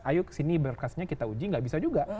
ayo kesini berkasnya kita uji nggak bisa juga